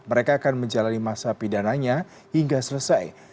mereka akan menjalani masa pidananya hingga selesai